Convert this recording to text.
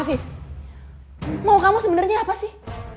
afif mau kamu sebenarnya apa sih